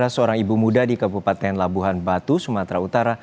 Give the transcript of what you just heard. seorang ibu muda di kabupaten labuhan batu sumatera utara